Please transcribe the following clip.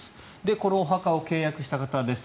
このお墓を契約した方です。